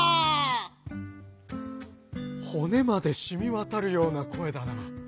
「ほねまでしみわたるようなこえだな。